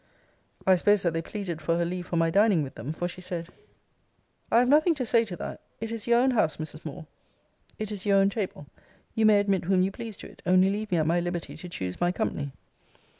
I suppose that they pleaded for her leave for my dining with them; for she said 'I have nothing to say to that: it is your own house, Mrs. Moore it is your own table you may admit whom you please to it, only leave me at my liberty to choose my company.'